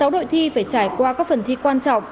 sáu đội thi phải trải qua các phần thi quan trọng